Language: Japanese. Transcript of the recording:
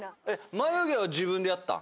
眉毛は自分でやったん？